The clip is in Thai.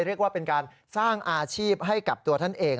เรียกว่าเป็นการสร้างอาชีพให้กับตัวท่านเอง